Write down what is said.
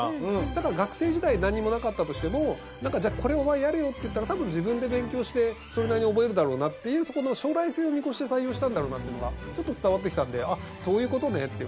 だから学生時代なんにもなかったとしてもなんかじゃあこれお前やれよって言ったら多分自分で勉強してそれなりに覚えるだろうなっていうそこの将来性を見越して採用したんだろうなっていうのがちょっと伝わってきたのであっそういう事ねって。